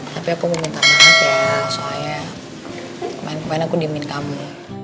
tapi aku mau minta maaf ya soalnya kemaren kemaren aku diemin kamu